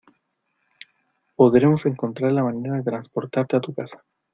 Podremos encontrar la manera de transportarte a tu casa.